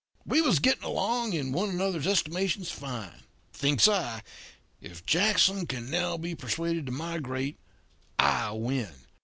We was getting along in one another's estimations fine. Thinks I, if Jackson Bird can now be persuaded to migrate, I win.